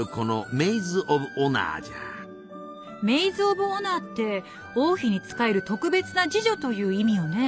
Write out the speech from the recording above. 「メイズ・オブ・オナー」って王妃に仕える特別な侍女という意味よね？